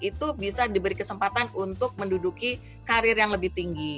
itu bisa diberi kesempatan untuk menduduki karir yang lebih tinggi